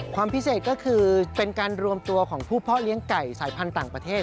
ความพิเศษก็คือเป็นการรวมตัวของผู้เพาะเลี้ยงไก่สายพันธุ์ต่างประเทศ